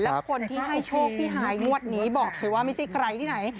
และคนที่ให้โชคพี่ฮายงวดนี้บอกเลยว่าไม่ใช่ใครที่ไหน